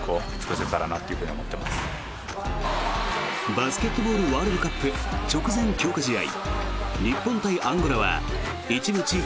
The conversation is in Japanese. バスケットボールワールドカップ直前強化試合